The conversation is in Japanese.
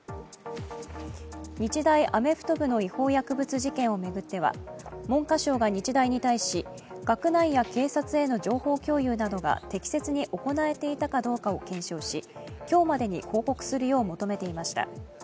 日大アメフト部の違法薬物事件を巡っては文科省が日大に対し学内や警察への情報共有が適切に行えていたかを検証し、今日までに報告するよう求めていました。